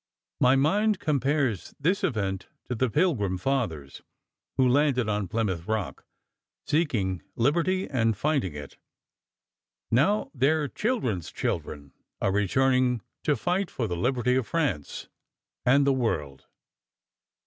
My mind compares this event to the Pilgrim Fathers, who landed on Plymouth Rock, seeking liberty and finding it. Now their children's children are returning to fight for the liberty of France and the world.